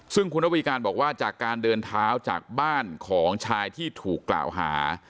ซึ่งคุณระวีการบอกว่าจากการเดินเท้าจากบ้านของชายที่ถูกกล่าวหา